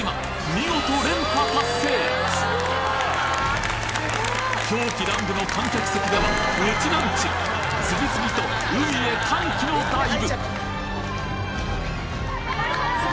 見事狂喜乱舞の観客席ではウチナンチュ次々と海へ歓喜のダイブ！